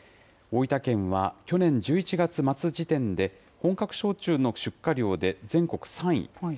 大分県は去年１１月末時点で本格焼酎の出荷量で全国３位。